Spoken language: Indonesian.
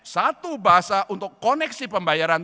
satu bahasa untuk koneksi pembayaran